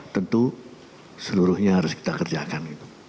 tentu seluruhnya harus kita kerjakan